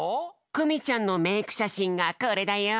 クミちゃんのメークしゃしんがこれだよ。